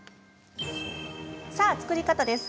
さあ、作り方です。